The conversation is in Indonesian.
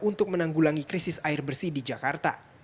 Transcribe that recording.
untuk menanggulangi krisis air bersih di jakarta